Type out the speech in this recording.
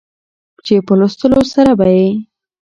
چې په لوستلو سره به يې